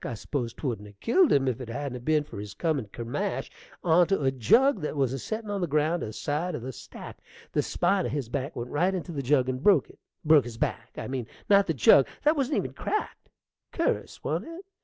I s'pose 'twouldn't 'a' killed him if it hadn't 'a' ben for his comin' kermash onto a jug that was a settin' on the ground aside o' the stack. The spine of his back went right onto the jug and broke it, broke his back, I mean, not the jug: that wa'n't even cracked. Cur'us, wa'n't it?